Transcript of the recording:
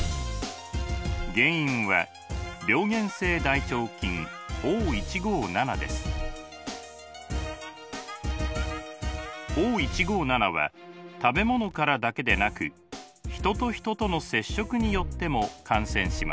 原因はＯ１５７は食べ物からだけでなく人と人との接触によっても感染します。